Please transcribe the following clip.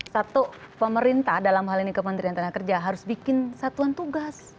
satu pemerintah dalam hal ini ke menteri dan tenaga kerja harus bikin satuan tugas